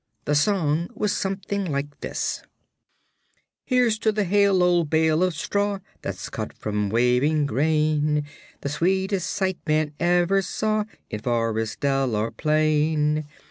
The song was something like this: "Here's to the hale old bale of straw That's cut from the waving grain, The sweetest sight man ever saw In forest, dell or plain.